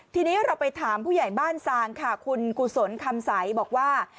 ทีนี้เราไปถามผู้ใหญ่บ้านซางค่ะคุณกุศลคำใสบอกว่า